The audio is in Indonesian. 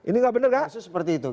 rasanya seperti itu